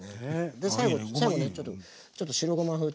で最後にちょっと白ごまふって。